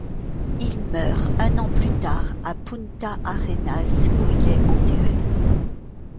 Il meurt un an plus tard à Punta Arenas où il est enterré.